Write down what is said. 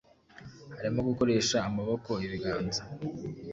harimo gukoresha amaboko, ibiganza,